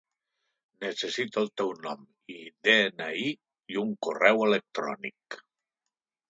Necessito el teu nom i de-ena-i i un correu electrònic.